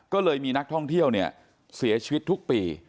ก็เลยมีนักท่องเที่ยวเนี่ยเสียชีวิตทุกปี